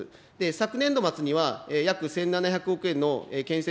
昨年度末には、約１７００億円の建設